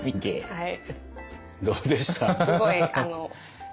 はい。